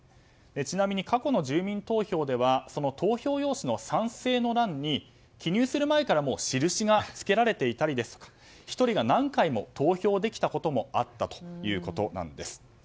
ちなみに過去の住民投票では投票用紙の賛成の欄に記入する前から印がつけられていたりとか１人が何回も投票できたこともあったということです。